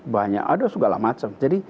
banyak ada segala macam